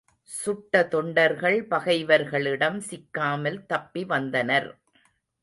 சுட்ட தொண்டர்கள் பகைவர்களிடம் சிக்காமல் தப்பிவந்தனர்.